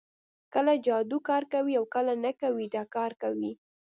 کله جادو کار کوي او کله نه کوي دا کار کوي